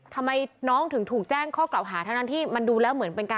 ทำไมน้องถึงถูกแจ้งข้อกล่าวหา